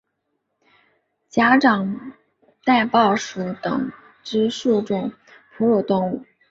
假掌袋貂属等之数种哺乳动物。